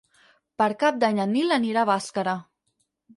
Per Cap d'Any en Nil anirà a Bàscara.